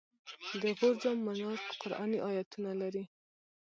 د غور جام منار قرآني آیتونه لري